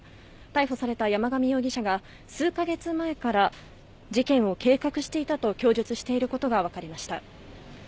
逮捕された山上容疑者が、数か月前から事件を計画していたと供述していることが分かりました。